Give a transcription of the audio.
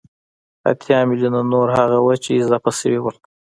اتيا ميليونه نور هغه وو چې اضافه شوي وو